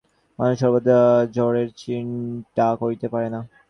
জড় যতই সুখকর হউক না কেন, মানুষ সর্বদা জড়ের চিন্তা করিতে পারে না।